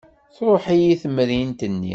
Truḥ-iyi temrint-nni.